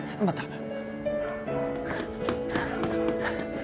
また。